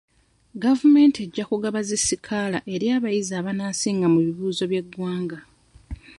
Gavumenti ejja kugaba zi sikaala eri abayizi abanaasinga mu bibuuzo by'eggwanga.